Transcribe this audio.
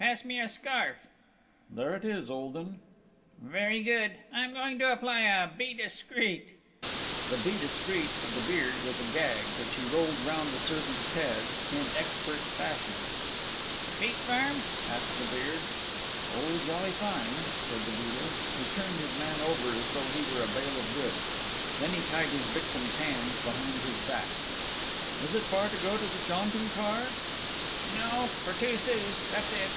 "Pass me a scarf!" "There it is, old 'un!" "Very good, I am going to apply a 'Be Discreet.'" The "Be Discreet" of the Beard was a gag, which he rolled round the servant's head in expert fashion. "Feet firm?" asked the Beard. "Oh, jolly fine!" said the Beadle. He turned his man over as though he were a bale of goods. Now he tied his victim's hands behind his back. "Is it far to go to the jaunting car?" "No for two sous, that's it!"